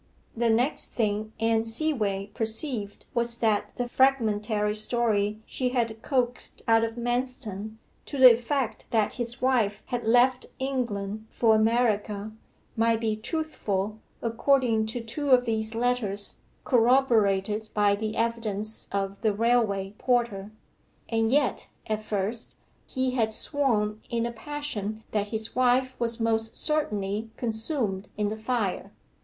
The next thing Anne Seaway perceived was that the fragmentary story she had coaxed out of Manston, to the effect that his wife had left England for America, might be truthful, according to two of these letters, corroborated by the evidence of the railway porter. And yet, at first, he had sworn in a passion that his wife was most certainly consumed in the fire.